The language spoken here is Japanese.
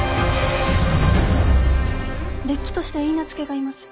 れっきとした許婚がいます。